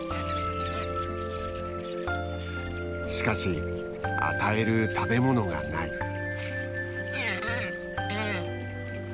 しかし与える食べものがない。